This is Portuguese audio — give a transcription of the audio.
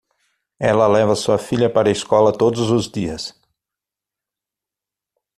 Ela leva sua filha para a escola todos os dias.